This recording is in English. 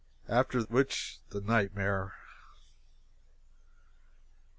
After which, the nightmare.